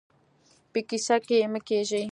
په کيسه کې يې مه کېږئ.